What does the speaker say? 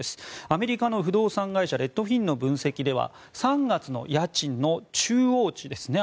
アメリカの不動産会社レッドフィンの分析では３月の家賃の中央値ですね。